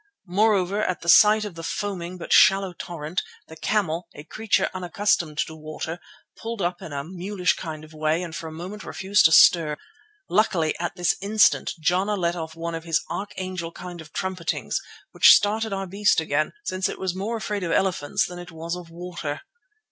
Moreover, at the sight of the foaming but shallow torrent, the camel, a creature unaccustomed to water, pulled up in a mulish kind of way and for a moment refused to stir. Luckily at this instant Jana let off one of his archangel kind of trumpetings which started our beast again, since it was more afraid of elephants than it was of water.